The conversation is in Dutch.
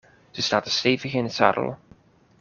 Ze zaten stevig in het zadel.